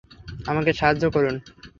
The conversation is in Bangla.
আমাকে সাহায্য করুন!